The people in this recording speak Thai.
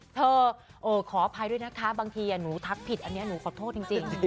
เธอขออภัยด้วยนะครับบางทีหนูทักผิดหนูขอโทษจริง